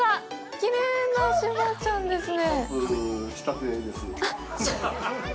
きれいな柴ちゃんですね。